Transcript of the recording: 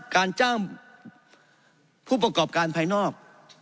การจ้างผู้ประกอบการภายนอก